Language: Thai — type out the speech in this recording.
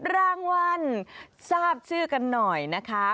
รางวัลทราบชื่อกันหน่อยนะคะ